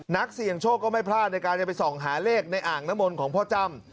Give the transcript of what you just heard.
นักเสี่ยงโชคก็ไม่พลาดในการจะไปส่องหาเลขในอ่างน้ำมนต์ของพ่อจ้ำ